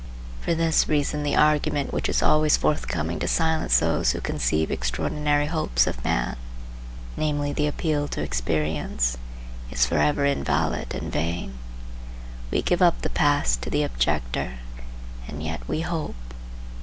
For this reason the argument which is always forthcoming to silence those who conceive extraordinary hopes of man, namely the appeal to experience, is for ever invalid and vain. We give up the past to the objector, and yet we hope.